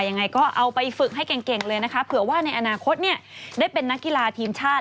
ยังไงก็เอาไปฝึกให้เก่งเลยนะคะเผื่อว่าในอนาคตได้เป็นนักกีฬาทีมชาติ